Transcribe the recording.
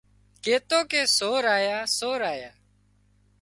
ڪيتو ڪي سور آيا سور آيا